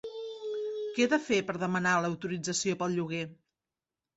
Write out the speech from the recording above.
Que he de fer per demanar l'autorització pel lloguer?